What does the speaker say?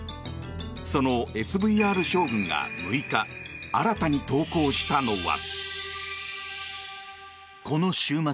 そのＳＶＲ将軍が６日新たに投稿したのは。